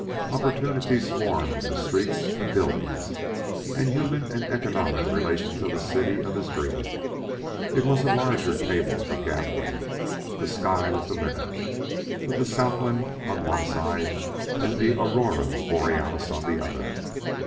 Opportunities swarmed in the streets and buildings and human and economic relations of the city of his dream. It was a larger table for gambling. The limit was the sky, with the Southland on one side and the aurora borealis on the other.